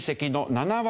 ７割。